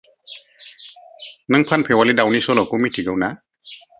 नों फानफेवालि दाउनि सल'खौ मिथिगौना?